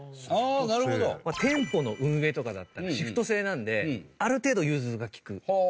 店舗の運営とかだったらシフト制なのである程度融通が利く。はあ。